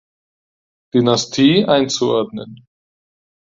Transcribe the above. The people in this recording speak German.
Dynastie einzuordnen.